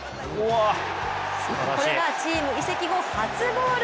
これがチーム移籍後初ゴール。